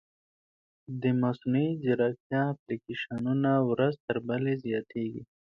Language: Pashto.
د مصنوعي ځیرکتیا اپلیکیشنونه ورځ تر بلې زیاتېږي.